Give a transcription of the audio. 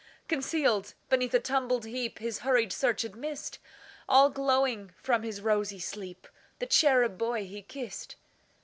Concealed beneath a tumbled heapHis hurried search had missed, All glowing from his rosy sleep, The cherub boy he kissed.